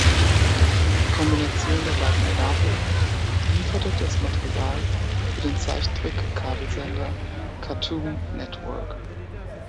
Die Kombination der beiden Erwerbungen lieferte das Material für den Zeichentrick-Kabelsender Cartoon Network.